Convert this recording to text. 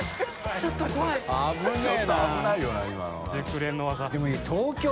ちょっと危ないよな今のな。